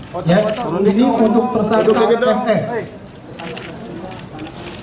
jadi untuk tersangka fs